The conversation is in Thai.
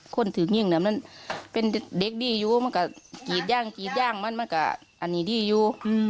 ถึงอย่างนั้นมันเป็นเด็กดีอยู่มันก็กรีดย่างกรีดย่างมันมันก็อันนี้ดีอยู่